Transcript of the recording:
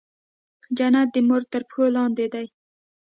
جنت د مور تر پښو لاندې دی